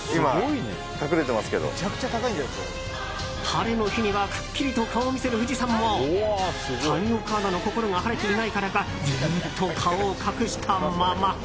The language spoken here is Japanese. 晴れの日にはくっきりと顔を見せる富士山も谷岡アナの心が晴れていないからかずっと顔を隠したまま。